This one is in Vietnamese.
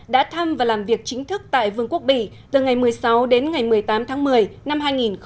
đã thăm và làm việc chính thức tại vương quốc bỉ từ ngày một mươi sáu đến ngày một mươi tám tháng một mươi năm hai nghìn một mươi tám